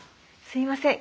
すいません。